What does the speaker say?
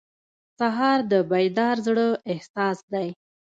سهار د بیدار زړه احساس دی.